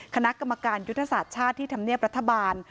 คณะกรรมการยุทธศาสตร์ชาติที่ทำเนียบรัฐบาล